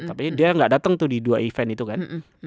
tapi dia nggak datang tuh di dua event itu kan